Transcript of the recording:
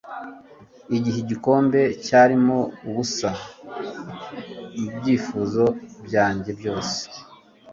igihe igikombe cyarimo ubusa mubyifuzo byanjye byose